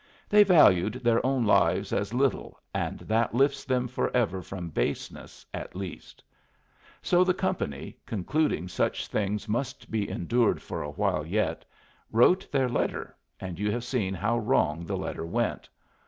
They valued their own lives as little, and that lifts them forever from baseness at least. So the company, concluding such things must be endured for a while yet, wrote their letter, and you have seen how wrong the letter went.